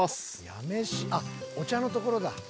あっお茶のところだ。